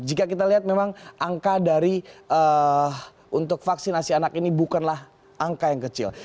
jika kita lihat memang angka dari untuk vaksinasi anak ini bukanlah angka yang kecil